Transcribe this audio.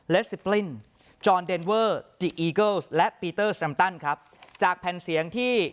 ซิปลิ้นจอนเดนเวอร์จิอีเกิลและปีเตอร์สแซมตันครับจากแผ่นเสียงที่